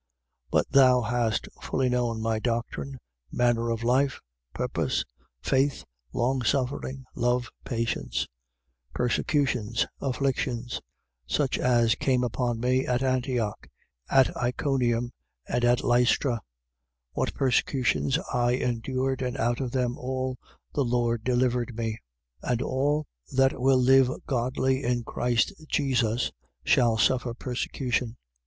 3:10. But thou hast fully known my doctrine, manner of life, purpose, faith, longsuffering, love, patience, 3:11. Persecutions, afflictions: such as came upon me at Antioch, at Iconium and at Lystra: what persecutions I endured, and out of them all the Lord delivered me. 3:12. And all that will live godly in Christ Jesus shall suffer persecution.